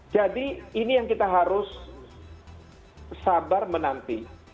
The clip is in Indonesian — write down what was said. jadi ini yang kita harus sabar menanti